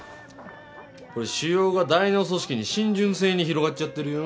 これ腫瘍が大脳組織に浸潤性に広がっちゃってるよ。